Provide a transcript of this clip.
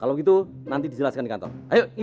aduh anak kecil siapa nih